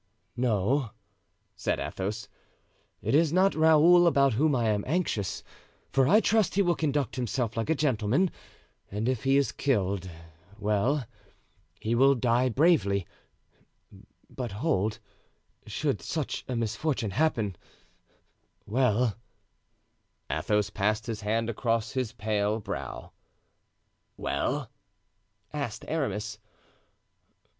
"No," said Athos, "it is not Raoul about whom I am anxious, for I trust he will conduct himself like a gentleman; and if he is killed—well, he will die bravely; but hold—should such a misfortune happen—well—" Athos passed his hand across his pale brow. "Well?" asked Aramis.